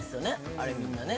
あれみんなね